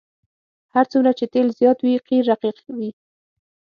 هر څومره چې تیل زیات وي قیر رقیق وي